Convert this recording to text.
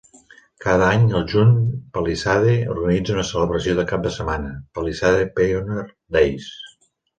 Cada any, al juny, Palisade organitza una celebració de cap de setmana, "Palisade Pioneer Days".